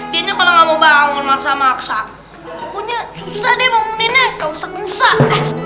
dianya kalo gak mau bangun maksa maksa pokoknya susah deh banguninnya gak usah kusah